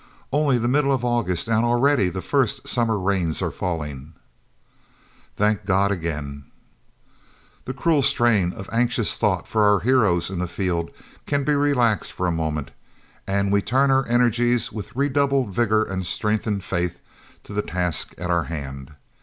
Only the middle of August and already the first summer rains are falling! Thank God again! The cruel strain of anxious thought for our heroes in the field can be relaxed for a moment, and we turn our energies with redoubled vigour and strengthened faith to the task at our hand.